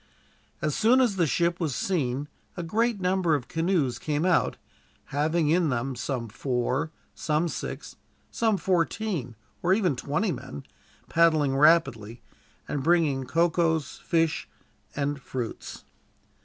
As soon as the ship was seen a great number of canoes came out, having in them some four, some six, some fourteen, or even twenty men, paddling rapidly and bringing cocoas, fish, and fruits.